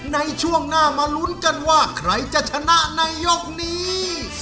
ในช่วงหน้ามาลุ้นกันว่าใครจะชนะในยกนี้